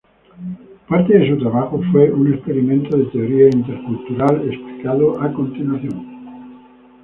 Parte de su trabajo fue un experimento de teoría intercultural explicado a continuación.